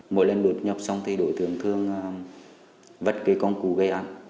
mỗi lần đột nhập xong thì đội thường thường vất cái công cụ gây án